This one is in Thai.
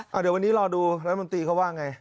เดี๋ยววันนี้รอดูรัฐมนตรีเขาว่าไง